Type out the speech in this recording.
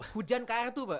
hujan kartu pak